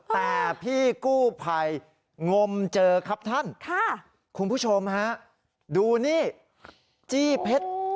แต่พี่กู้ภัยงมเจอครับท่านคุณผู้ชมฮะดูนี่จี้เพชร